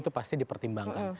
itu pasti dipertimbangkan